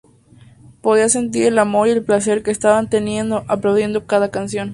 Podía sentir el amor y el placer que estaban teniendo, aplaudiendo cada canción.